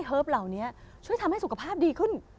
เหล่านี้ช่วยทำให้สุขภาพดีขึ้น